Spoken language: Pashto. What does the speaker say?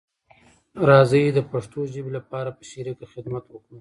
راځی د پښتو ژبې لپاره په شریکه خدمت وکړو